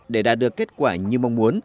để đạt được kết quả như mong muốn